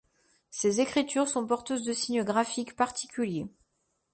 Ces écritures sont porteuses de signes graphiques particuliers.